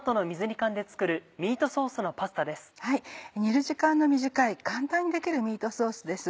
煮る時間の短い簡単にできるミートソースです。